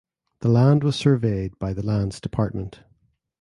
The land was surveyed by the Lands Department.